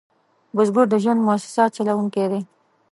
بزګر د ژوند موسسه چلوونکی دی